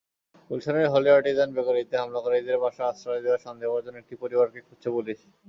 গুলশানের Holey Artisan বেকারিতে হামলাকারীদের বাসায় আশ্রয় দেওয়া সন্দেহভাজন একটি পরিবারকে খুঁজছে পুলিশ।